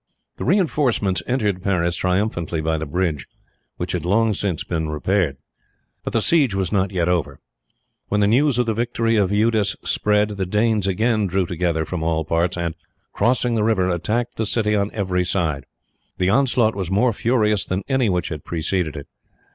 The reinforcements entered Paris triumphantly by the bridge, which had long since been repaired. But the siege was not yet over. When the news of the victory of Eudes spread, the Danes again drew together from all parts, and crossing the river, attacked the city on every side. The onslaught was more furious than any which had preceded it.